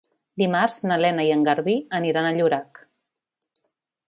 Dimarts na Lena i en Garbí aniran a Llorac.